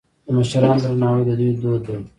د مشرانو درناوی د دوی دود دی.